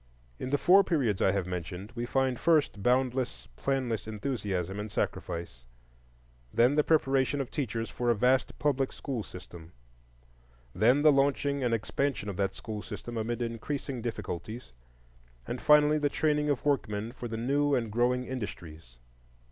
In the four periods I have mentioned, we find first, boundless, planless enthusiasm and sacrifice; then the preparation of teachers for a vast public school system; then the launching and expansion of that school system amid increasing difficulties; and finally the training of workmen for the new and growing industries.